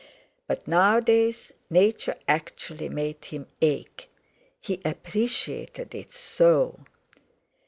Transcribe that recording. But nowadays Nature actually made him ache, he appreciated it so.